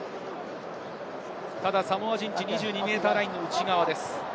ただサモア陣地２２ｍラインの内側です。